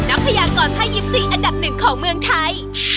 นักพยากรพยิบซีอันดับหนึ่งของเมืองไทย